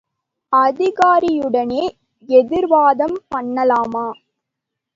அதிகாரியுடனே எதிர்வாதம் பண்ணலாமா?